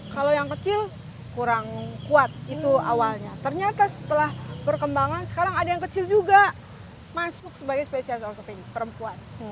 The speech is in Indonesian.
kalau yang kecil kurang kuat itu awalnya ternyata setelah berkembangan sekarang ada yang kecil juga masuk sebagai special perempuan